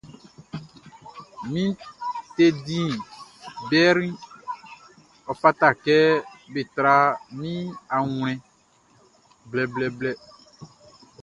Min teddy bearʼn, ɔ fata kɛ be tra min awlɛn blɛblɛblɛ.